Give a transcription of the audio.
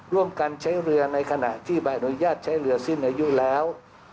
ร่วมกันใช้เรือในขณะที่ใบอนุญาตใช้เรือสิ้นอายุแล้ว